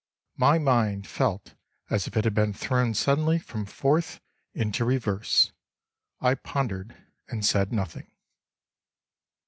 My mind felt as if it had been thrown suddenly from fourth into reverse. I pondered and said nothing.